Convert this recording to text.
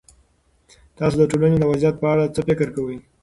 تاسو د ټولنې د وضعيت په اړه څه فکر کوئ؟